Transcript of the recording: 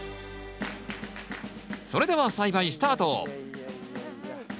それでは栽培スタート！